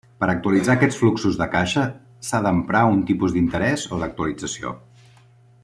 Per actualitzar aquests fluxos de caixa s'ha d'emprar un tipus d'interès o d'actualització.